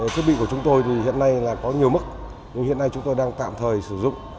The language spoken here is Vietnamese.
thiết bị của chúng tôi thì hiện nay là có nhiều mức nhưng hiện nay chúng tôi đang tạm thời sử dụng